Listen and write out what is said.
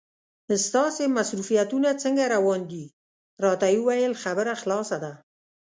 ستاسې مصروفیتونه څنګه روان دي؟ راته یې وویل خبره خلاصه ده.